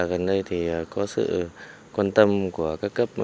gần đây thì có sự quan tâm của các cấp